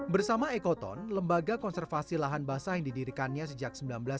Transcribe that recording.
bersama ekoton lembaga konservasi lahan basah yang didirikannya sejak seribu sembilan ratus sembilan puluh